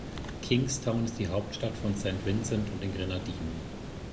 Kingstown ist die Hauptstadt von St. Vincent und die Grenadinen.